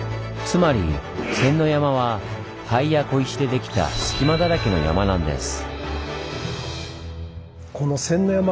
つまり仙ノ山は灰や小石でできた隙間だらけの山なんです。